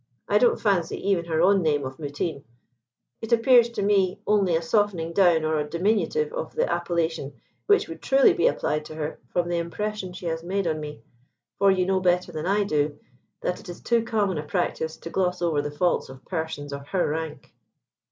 I don't fancy even her own name of Mutine. It appears to me only a softening down or a diminutive of the appellation which would truly be applied to her from the impression she has made on me. For you know better than I do, that it is too common a practice to gloss over the faults of persons of her rank."